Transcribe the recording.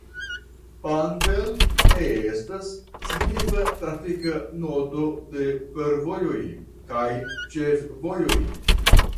Panvel estas signifa trafika nodo de fervojoj kaj ĉefvojoj.